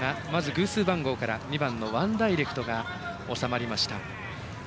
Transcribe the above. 偶数番号から２番ワンダイレクトが収まりました。